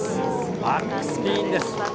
バックスピンです。